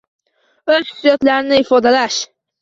O‘z hissiyotlarini ifodalash.